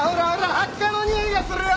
ハッカのにおいがするよ！